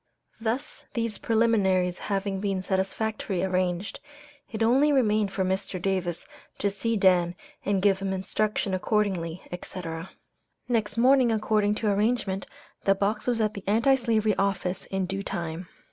Thus these preliminaries having been satisfactorily arranged, it only remained for Mr. Davis to see Dan and give him instructions accordingly, etc. Next morning, according to arrangement, the box was at the Anti Slavery office in due time.